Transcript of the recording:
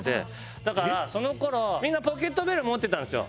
だからその頃みんなポケットベル持ってたんですよ。